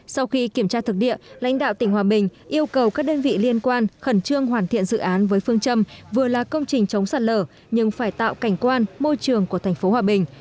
sau khi kiểm tra thực địa lãnh đạo tỉnh hòa bình yêu cầu các đơn vị liên quan khẩn trương hoàn thiện dự án với phương châm vừa là công trình chống sạt lở nhưng phải tạo cảnh quan môi trường của thành phố hòa bình